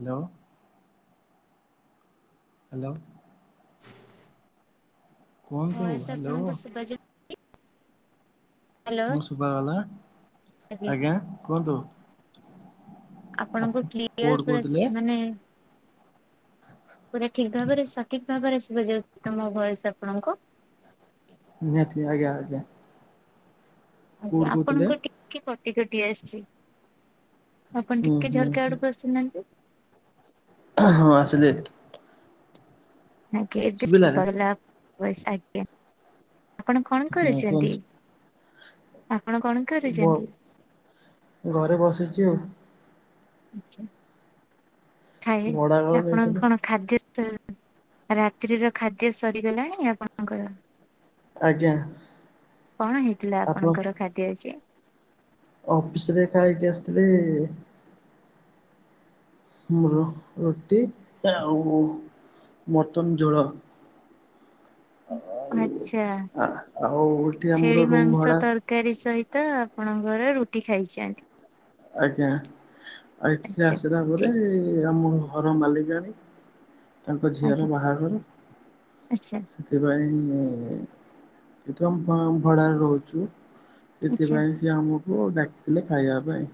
Hello. Hello. କୁହନ୍ତୁ voice hello? ଆପଣଙ୍କୁ ଶୁଭାଯାଉ ହ୍ୟାଲୋ ହୁଁ ଶୁଭାଗଲା ଆଜ୍ଞା କୁହନ୍ତୁ? ଆପଣ ଆପଣଙ୍କୁ କ୍ଲିୟର କୋଉଠୁ ପୁରା କହୁଥିଲେ? ମାନେ ପୁରା ଠିକ ଭାବରେ ସଠିକ ଭାବରେ ଶୁଭାଯାଉଛି ତ ମୋ ଭଏସ ଆପଣଙ୍କୁ? ନିହାତି ଆଜ୍ଞା ଆଜ୍ଞା। ଆଜ୍ଞା କୋଉଠୁ କହୁଥିଲେ? ଆପଣଙ୍କ ଟିକେ କଟି କଟି ଆସିଛି। ଆପଣ ହୁଁ ଟିକେ ହୁଁ ଝରକା ଆଡ଼କୁ ଆସିୁନାହାନ୍ତି। ହଁ ହଁ ଆସିଲି। ଆଜ୍ଞା ଏବେ ଶୁଭିଲା [unintelligible] ଲା ଭଏସ ଆଜ୍ଞା। ଆପଣ କଣ ହୁଁ କରୁଛନ୍ତି କୁହନ୍ତୁ? ଆପଣ କଣ କରୁଛନ୍ତି କୁହ ଘରେ ବସିଛି ଆଉ ଆଚ୍ଛା ଖାଇଲେ ଭଡା ଘର ଆପଣ ନେଇଥିଲୁ କଣ ଖାଦ୍ୟ ତ ରାତ୍ରିର ଖାଦ୍ୟ ସରିଗଲାଣି ଆପଣଙ୍କର? ଆଜ୍ଞା କଣ ହେଇଥିଲା ଆପଣଙ୍କର ଖାଦ୍ୟ ଆଜି? ଅଫିସରେ ଖାଇକି ଆସିଥିଲି। ମୋର ରୁଟି ଆଉ ମଟନ୍ ଝୋଳ। ଆଚ୍ଛା ଆଉ ଏଠି ଆମର ଛେଳି ରୁମ ମାଂସ ଭଡା ତର ତରକାରୀ ସହିତ ଆପଣଙ୍କର ରୁଟି ଖାଇଛନ୍ତି। ଆଜ୍ଞା ଆଉ ଏଠିକି ଆଚ୍ଛା। ଆସିଲା ପରେ। ଠିକ ଆମ ଘର ମାଲିକାଣୀ ତାଙ୍କ ଝିଅର ଆଜ୍ଞା ବାହାଘର ଆଚ୍ଛା ସେଥିପାଇଁ [unintelligible] ଭଡ଼ାରେ ରହୁଛୁ। ଆଚ୍ଛା ସେଥିପାଇଁ ସିଏ ଆମକୁ ଡାକିଥିଲେ ଖାଇବା ପାଇଁ।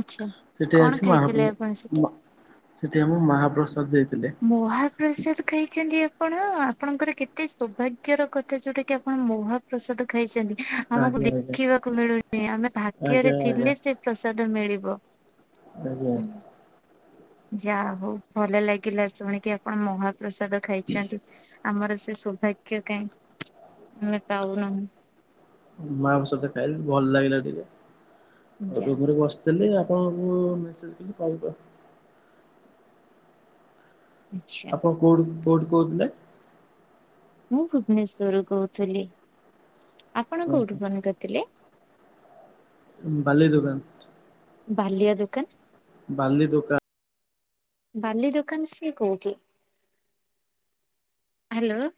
ଆଚ୍ଛା। ସେଠି କଣ ଖାଇଥିଲେ ଆଜି ଆପଣ ସେଠି? [unintelligible] ସେଠି ଆମ ମହାପ୍ରସାଦ ଦେଇଥିଲେ। ମହାପ୍ରସାଦ ଖାଇଛନ୍ତି ଆପଣ ଆପଣଙ୍କର କେତେ ସୌଭାଗ୍ୟର କଥା ଯୋଉଟା କିି ଆପଣ ମହା ପ୍ରସାଦ ଖାଇଛନ୍ତି। ଆମକୁ ଆଜ୍ଞା ଆଜ୍ଞା ଦେଖିବାକୁ ମିଳୁନି। ଆମେ ଆଜ୍ଞା ଭାଗ୍ୟରେ ଆଜ୍ଞା ଥିଲେ ସେ ପ୍ରସାଦ ମିଳିବ। ଆଜ୍ଞା ହୁଁ ଯା ହଉ ଭଲ ଲାଗିଲା ଶୁଣିକି ଆପଣ ମହା ପ୍ରସାଦ ଖାଇଛନ୍ତି ଆମର ସେ ସୌଭାଗ୍ୟ କାହିଁ ଆମେ ପାଉନାହୁଁ। ମାଉଁସ ତରକାରୀ ଭଲ ଲାଗିଲା ଟିକେ। ଆଉ ଯାହା ରୁମରେ ବସି ହେଲେ ଆପଣଙ୍କୁ ମେସେଜ୍ କରି କଲ କଲି। ଆଚ୍ଛା। ଆପଣ କୋଉଠୁ କୋଉଠୁ କହୁଥିଲେ? ମୁଁ ଭୁବନେଶ୍ଵରରୁୁ କହୁଥିଲି। ଆପଣ କୋଉଠୁ ଫୋନ କରିଥିଲେ? ବାଲି ଦୁକାନ। ବାଲିଆ ଦୋକାନ! ବାଲି ଦୋକାନ। ବାଲି ଦୋକାନ ସିଏ କୋଉଠି? ହ୍ୟାଲୋ।